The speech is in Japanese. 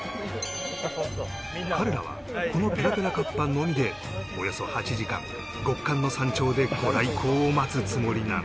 彼らはこのペラペラカッパのみでおよそ８時間極寒の山頂で御来光を待つつもりなのだ